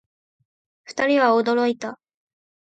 二人は驚いた